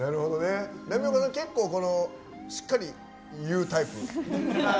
浪岡さん、結構しっかり言うタイプ？